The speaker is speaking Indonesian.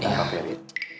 iya pak ferry